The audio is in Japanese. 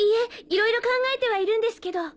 いろいろ考えてはいるんですけど。